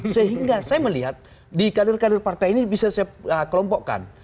sehingga saya melihat di kader kader partai ini bisa saya kelompokkan